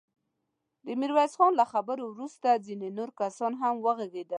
د ميرويس خان له خبرو وروسته ځينې نور کسان هم وغږېدل.